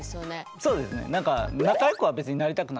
そうですね。